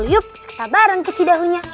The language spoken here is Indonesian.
yuk kita bareng ke cidahunya